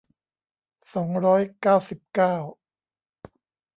สองร้อยเก้าสิบเก้า